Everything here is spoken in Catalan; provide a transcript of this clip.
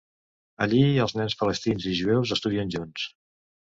Allí els nens palestins i jueus estudien junts.